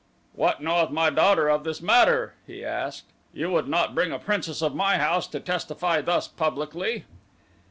"What knoweth my daughter of this matter?" he asked. "You would not bring a princess of my house to testify thus publicly?"